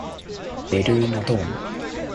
ベルーナドーム